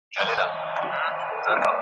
چي را ورسېدی نیسو یې موږ دواړه ,